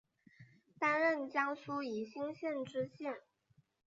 担任江苏宜兴县知县。